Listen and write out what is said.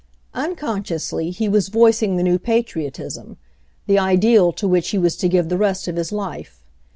Unconsciously, he was voicing the new patriot ism — the ideal to which he was to give the rest of his life.